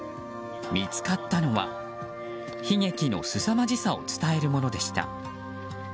見つかったのは悲劇のすさまじさを伝えるものでした。